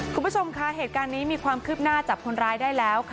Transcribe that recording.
คุณผู้ชมคะเหตุการณ์นี้มีความคืบหน้าจับคนร้ายได้แล้วค่ะ